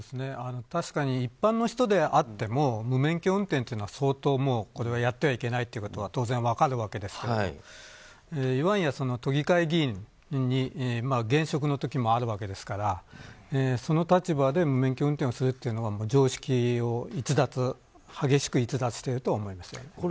確かに一般の人であっても無免許運転というのは相当、これはやってはいけないということは当然、分かるわけですけれどもいわんや都議会議員に現職の時もあるわけですからその立場で無免許運転をするのは常識を激しく逸脱していると思います。